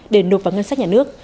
để nộp vào ngân sách nhà nước